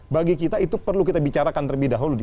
bagi kita itu perlu kita bicarakan terlebih dahulu